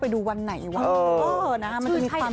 พี่ไทยสนามุทรเช็ม